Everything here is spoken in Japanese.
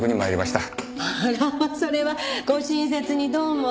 あらそれはご親切にどうも。